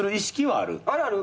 あるある。